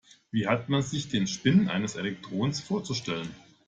Wie hat man sich den Spin eines Elektrons vorzustellen?